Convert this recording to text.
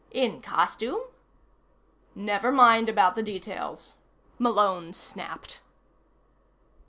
"In costume?" "Never mind about the details," Malone snapped.